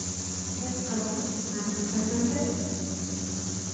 That's a long time, isn't it?